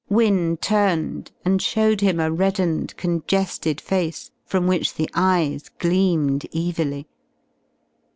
Wynne turned and showed him a reddened, congested face from which the eyes gleamed evilly.